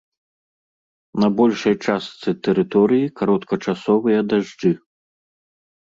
На большай частцы тэрыторыі кароткачасовыя дажджы.